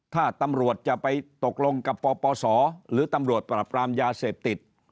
ถ้าตำรวจจะไปตกลงกับปปศหรือตำรวจปราบปรามยาเสพติด